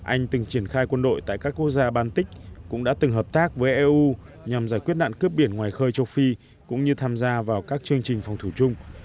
anh từng triển khai quân đội tại các quốc gia baltic cũng đã từng hợp tác với eu nhằm giải quyết nạn cướp biển ngoài khơi châu phi cũng như tham gia vào các chương trình phòng thủ chung